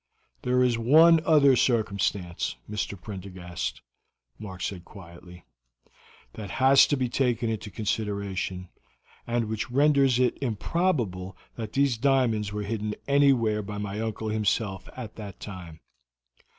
"There is one other circumstance, Mr. Prendergast," Mark said quietly, "that has to be taken into consideration, and which renders it improbable that these diamonds were hidden anywhere by my uncle himself at that time.